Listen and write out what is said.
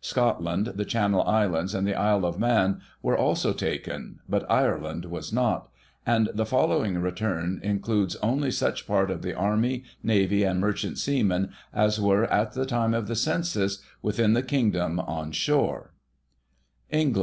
Scotland, the Channel Islands, and the Isle of Man were also taken, but Ireland was not; and the following return includes only such part of the Army, Navy, and Mer chant Seamen, as were, at the time of the Census, within the Kingdom on shore : Males.